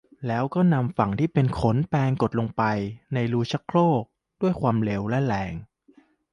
แล้วก็นำฝั่งที่เป็นขนแปรงกดลงไปในรูชักโครกด้วยความเร็วและแรง